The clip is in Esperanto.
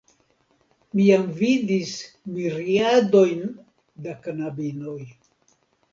Mi jam vidis miriadojn da knabinoj.